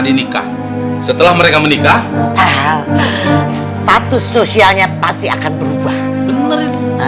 di nikah setelah mereka menikah status sosialnya pasti akan berubah benar